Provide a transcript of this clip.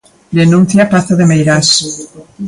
Denuncia Pazo de Meirás.